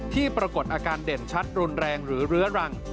ปรากฏอาการเด่นชัดรุนแรงหรือเรื้อรัง